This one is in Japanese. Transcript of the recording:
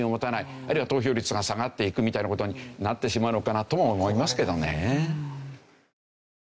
あるいは投票率が下がっていくみたいな事になってしまうのかなとも思いますけどね。